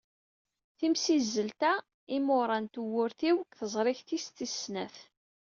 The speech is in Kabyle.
Timsizzelt-a “Imura n tmurt-iw” deg teẓrigt-is tis snat.